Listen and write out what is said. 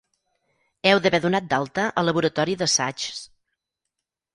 Heu d'haver donat d'alta el laboratori d'assaigs.